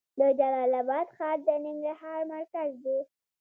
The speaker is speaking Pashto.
د جلال اباد ښار د ننګرهار مرکز دی